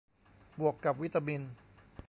บวกกับวิตามิน